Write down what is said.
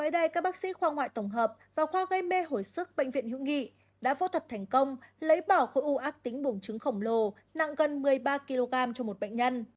các bác sĩ khoa ngoại tổng hợp và khoa gây mê hồi sức bệnh viện hữu nghị đã phô thật thành công lấy bỏ khối u ác tính bụng trứng khổng lồ nặng gần một mươi ba kg cho một bệnh nhân